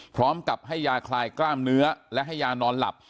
พร้อมกับให้ยาคลายกล้ามเนื้อและให้ยานอนหลับ